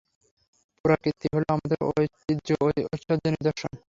পুরাকীর্তি হলো আমাদের ঐতিহ্য-ঐশ্বর্যৈর নিদর্শন।